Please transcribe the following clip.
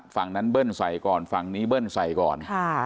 ฝั่งนั้นเบิ้ลใส่ก่อนฝั่งนี้เบิ้ลใส่ก่อน